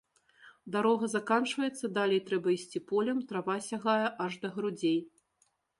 Дарога заканчваецца, далей трэба ісці полем, трава сягае аж да грудзей.